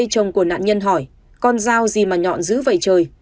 sao gì mà nhọn dữ vậy trời